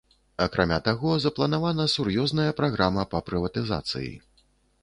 Акрамя таго, запланавана сур'ёзная праграма па прыватызацыі.